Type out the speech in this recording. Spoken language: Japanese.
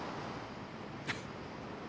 フッ。